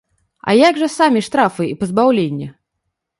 А як жа самі штрафы і пазбаўленне?